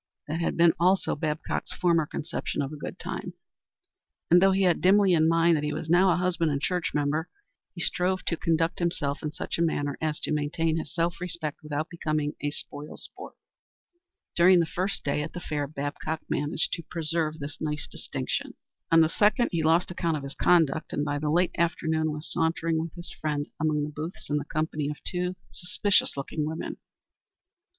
That had been also Babcock's former conception of a good time, and though he had dimly in mind that he was now a husband and church member, he strove to conduct himself in such a manner as to maintain his self respect without becoming a spoil sport. During the first day at the fair Babcock managed to preserve this nice distinction. On the second, he lost account of his conduct, and by the late afternoon was sauntering with his friend among the booths in the company of two suspicions looking women.